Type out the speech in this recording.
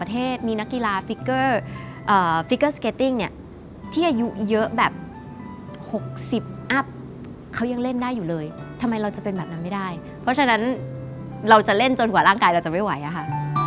เพราะฉะนั้นไม่ได้เพราะฉะนั้นเราจะเล่นจนกว่าร่างกายเราจะไม่ไหวอะค่ะ